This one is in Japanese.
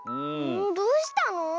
どうしたの？